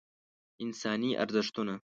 انساني ارزښتونه